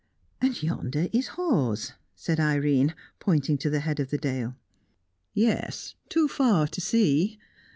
"And yonder is Hawes," said Irene, pointing to the head of the dale. "Yes; too far to see."